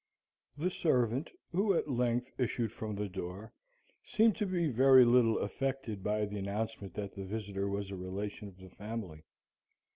The servant, who at length issued from the door, seemed to be very little affected by the announcement that the visitor was a relation of the family.